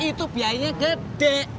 itu biayanya gede